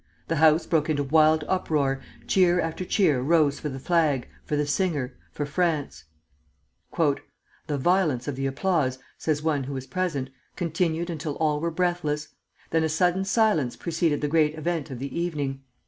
The house broke into wild uproar, cheer after cheer rose for the flag, for the singer, for France. "The violence of the applause," says one who was present, "continued until all were breathless; then a sudden silence preceded the great event of the evening.